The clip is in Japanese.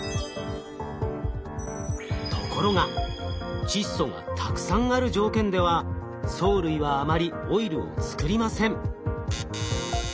ところが窒素がたくさんある条件では藻類はあまりオイルを作りません。